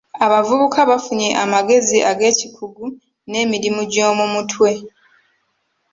Abavubuka bafunye amagezi ag'ekikugu n'emirimu gy'omu mutwe.